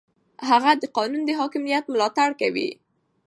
هغه د قانون د حاکمیت ملاتړ کوي.